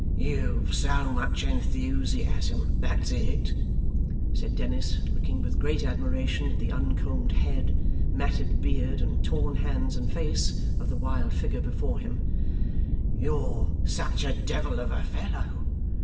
'You've so much enthusiasm, that's it,' said Dennis, looking with great admiration at the uncombed head, matted beard, and torn hands and face of the wild figure before him; 'you're such a devil of a fellow.